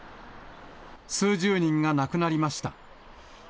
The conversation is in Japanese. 数十人が亡くなりました。